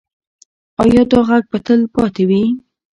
ایا دا غږ به تل پاتې وي؟